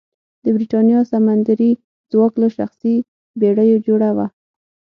د برېتانیا سمندري ځواک له شخصي بېړیو جوړه وه.